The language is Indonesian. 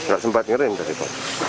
gak sempat ngerin tadi pak